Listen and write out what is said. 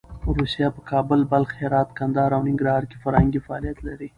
روسیه په کابل، بلخ، هرات، کندهار او ننګرهار کې فرهنګي فعالیت لري.